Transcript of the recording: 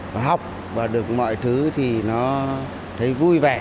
và học và được mọi thứ thì nó thấy vui vẻ